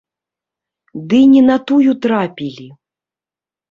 Ды не на тую трапілі.